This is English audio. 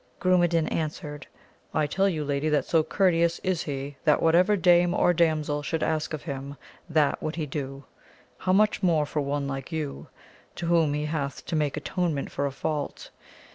Grumedan answered, I tell you Lady that so courteous is he that whatever dame or damsel should ask of him that would he do, how much more for one like you, to whom he hath to make atonement for a fault